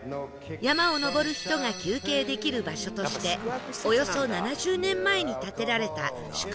山を登る人が休憩できる場所としておよそ７０年前に建てられた宿泊施設